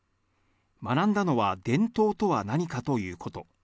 学んだのは伝統とは何かということ。